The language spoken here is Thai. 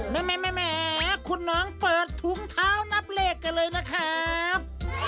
แม่คุณน้องเปิดถุงเท้านับเลขกันเลยนะครับ